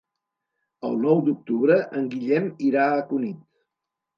El nou d'octubre en Guillem irà a Cunit.